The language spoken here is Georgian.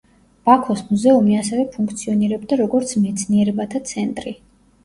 ბაქოს მუზეუმი ასევე ფუნქციონირებდა, როგორც მეცნიერებათა ცენტრი.